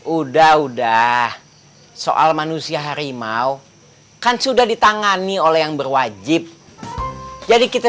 udah udah soal manusia harimau kan sudah ditangani oleh yang berwajib jadi kita